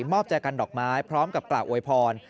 มอบแจกันดอกไม้พร้อมกับกล่าวอวยพร